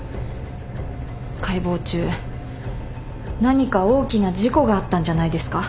解剖中何か大きな事故があったんじゃないですか？